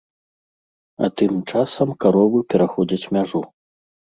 А тым часам каровы пераходзяць мяжу.